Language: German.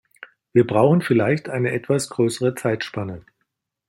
Wir brauchen vielleicht eine etwas größere Zeitspanne.